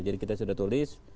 jadi kita sudah tulis